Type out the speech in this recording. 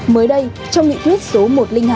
mới đây trong nghị quyết số một trăm linh hai